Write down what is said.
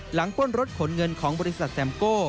ป้นรถขนเงินของบริษัทแซมโก้